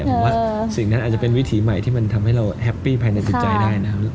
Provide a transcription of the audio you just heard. ผมว่าสิ่งนั้นอาจจะเป็นวิถีใหม่ที่มันทำให้เราแฮปปี้ภายในจิตใจได้นะครับ